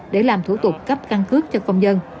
để làm thủ tục cấp căn cước cho công dân